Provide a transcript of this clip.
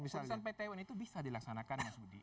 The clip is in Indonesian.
keputusan pt un itu bisa dilaksanakan mas budi